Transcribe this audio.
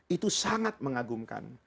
itu sangat mengagumkan